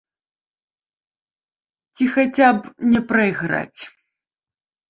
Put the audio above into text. Ці хаця б не прайграць.